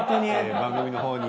番組のほうに。